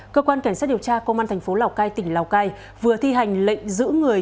cơ quan cảnh sát điều tra công an thành phố lào cai tỉnh lào cai vừa thi hành lệnh giữ người